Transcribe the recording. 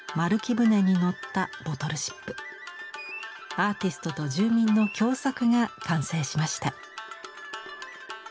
アーティストと住民の共作が完成しました。